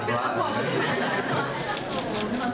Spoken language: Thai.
ขอบคุณมาก